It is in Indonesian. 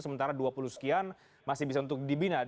sementara dua puluh sekian masih bisa untuk dibina